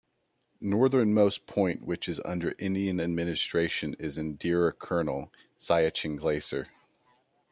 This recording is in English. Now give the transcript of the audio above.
Northernmost point which is under Indian administration is Indira Colonel, Siachen Glacier.